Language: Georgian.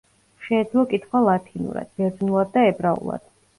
შეეძლო კითხვა ლათინურად, ბერძნულად და ებრაულად.